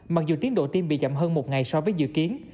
mặc dù tiến độ tiêm bị chậm hơn một ngày so với dự kiến